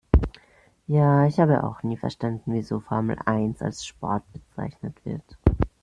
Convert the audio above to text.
Ja, ich habe auch nie verstanden wieso Formel eins als Sport bezeichnet wird.